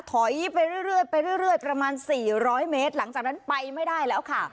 ถอยไปเรื่อยไปเรื่อยประมาณ๔๐๐เมตรหลังจากนั้นไปไม่ได้แล้วค่ะ